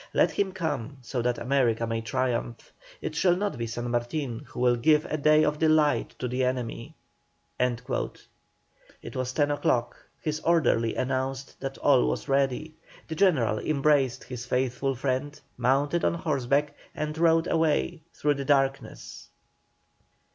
Let him come, so that America may triumph. It shall not be San Martin who will give a day of delight to the enemy." It was ten o'clock; his orderly announced that all was ready; the General embraced his faithful friend, mounted on horseback, and rode away through the darkness.